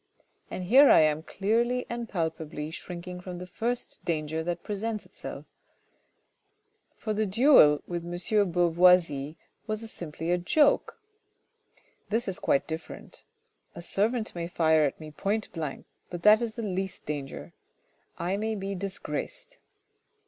And here am I clearly and palpably shrinking from the first danger that presents itself; for the duel with M. de Beauvoisis was simply a joke. This is quite different. A servant may fire at me point blank, but that is the least danger ; I may be disgraced.